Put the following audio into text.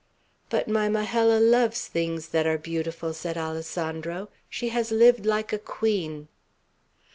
"But my Majella loves things that are beautiful," said Alessandro. "She has lived like a queen."